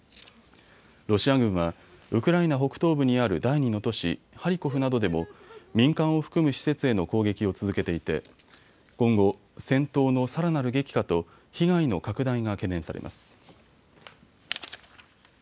ロシア軍はウクライナ北東部にある第２都市ハリコフなどでも民間を含む施設への攻撃を続けていて今後、戦闘のさらなる激化と被害の拡大が懸念されます。